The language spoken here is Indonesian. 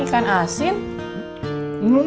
ditinggal sendirian disini